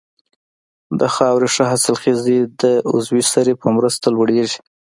د خاورې ښه حاصلخېزي د عضوي سرې په مرسته لوړیږي.